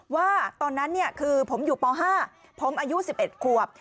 ว่าตอนนั้นคือผมอยู่ป๕ผมอายุ๑๑ขวบ